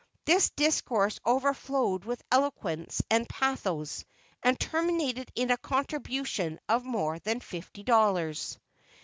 This discourse overflowed with eloquence and pathos, and terminated in a contribution of more than fifty dollars.